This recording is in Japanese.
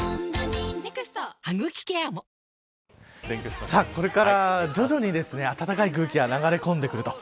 そしてこれから徐々に暖かい空気が流れ込んでくると。